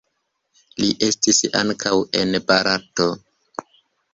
Li estis ankaŭ en Barato.